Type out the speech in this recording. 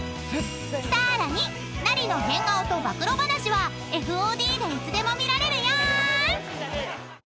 ［さらにナリの変顔と暴露話はＦＯＤでいつでも見られるよ］